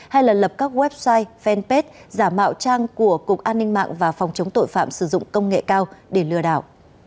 hay là lập các website fanpage giả mạo trang của cục an ninh mạng và phòng chống tội phạm sử dụng công nghệ cao để lừa đảo